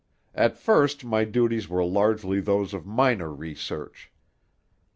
At first my duties were largely those of minor research.